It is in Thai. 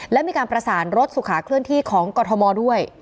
และมีการประสานรถสุขาเคลื่อนที่ของกรทมด้วย